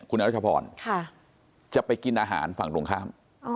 คุณอรัชพรจะไปกินอาหารฝั่งตรงข้าม